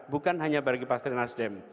bukan hanya bagi partai nasdem